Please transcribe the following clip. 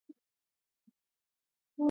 ډيپلومات له نورو هېوادونو سره اړیکي پالي.